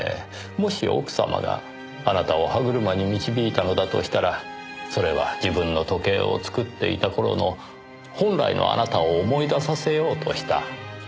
もし奥様があなたを歯車に導いたのだとしたらそれは自分の時計を作っていた頃の本来のあなたを思い出させようとした。